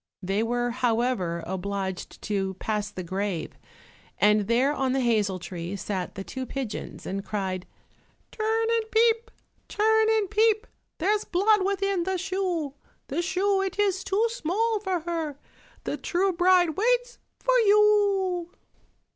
They were, however, obliged to pass the grave, and there, on the hazel tree, sat the two pigeons and cried, "Turn and peep, turn and peep, There's blood within the shoe, The shoe it is too small for her, The true bride waits for you."